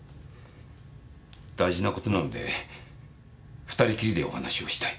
大事なことなので２人きりでお話をしたい。